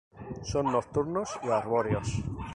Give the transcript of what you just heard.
Son nocturnos y arbóreos.